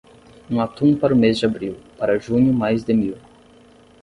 Um atum para o mês de abril, para junho mais de mil.